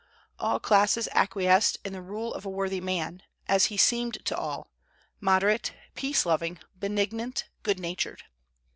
All classes acquiesced in the rule of a worthy man, as he seemed to all, moderate, peace loving, benignant, good natured.